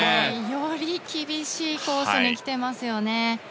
より厳しいコースに来てますよね。